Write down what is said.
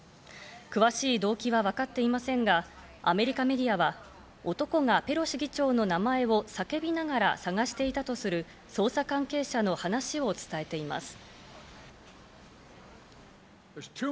詳しい動機は分かっていませんがアメリカメディアは男はペロシ議長の名前を叫びながら探していたとする、捜査関係者の話を伝えています。